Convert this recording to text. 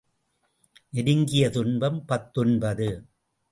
நெருங்கிய துன்பம் பத்தொன்பது .